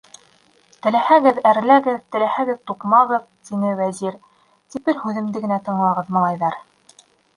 - Теләһәгеҙ, әрләгеҙ, теләһәгеҙ, туҡмағыҙ, - тине Вәзир, - тик бер һүҙемде генә тыңлағыҙ, малайҙар.